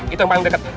itu yang paling deket